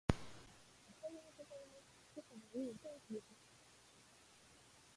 おはようございます。今朝はいいお天気ですね。